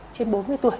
trên bốn mươi tuổi